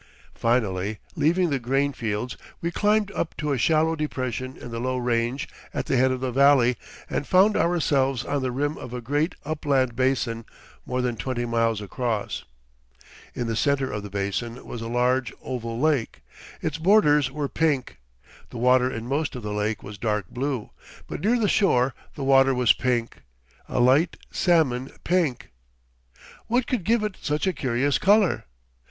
Finally, leaving the grain fields, we climbed up to a shallow depression in the low range at the head of the valley and found ourselves on the rim of a great upland basin more than twenty miles across. In the center of the basin was a large, oval lake. Its borders were pink. The water in most of the lake was dark blue, but near the shore the water was pink, a light salmon pink. What could give it such a curious color?